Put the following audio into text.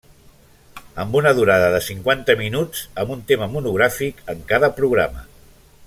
Amb una durada de cinquanta minuts, amb un tema monogràfic en cada programa.